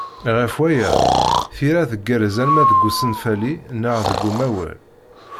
Ɣef waya, tira tgerrez ama deg usenfali neɣ deg umawal.